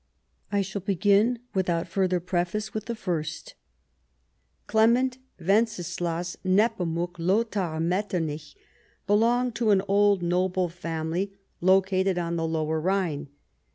I shall begin, without further preface, with the first. Clement Wenceslas Nepomuk Lothair Metternich belonged to an old noble family located on the Lower Rhine.